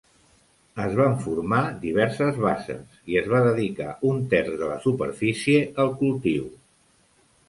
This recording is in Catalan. Es van formar diverses basses i es va dedicar un terç de la superfície al cultiu.